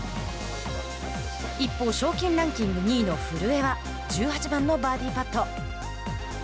一方、賞金ランキング２位の古江は１８番のバーディーパット。